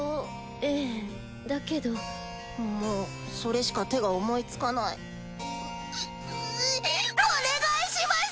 ええだけどもうそれしか手が思いつかないお願いします！